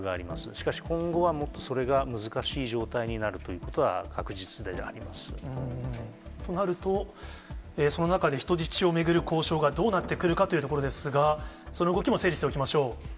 しかし、今後はそれがもっと難しい状態になるということは、となると、その中で人質を巡る交渉がどうなってくるかというところですが、その動きも整理しておきましょう。